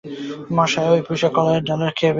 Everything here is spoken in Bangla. মশায়, আর ঐ পুঁইশাক কলাইয়ের ডাল খেয়ে প্রাণ বাঁচে না।